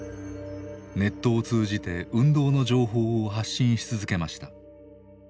ネットを通じて運動の情報を発信し続けました。